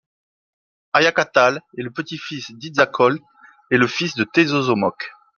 Axayacatl est le petit-fils d'Itzcoatl et le fils de Tezozómoc.